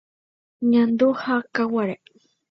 Ñandu ha Kaguare.